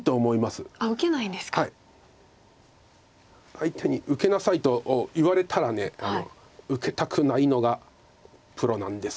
相手に受けなさいと言われたら受けたくないのがプロなんです。